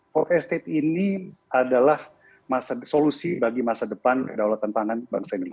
forecate ini adalah solusi bagi masa depan kedaulatan pangan bangsa indonesia